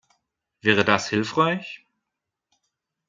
Wäre das hilfreich?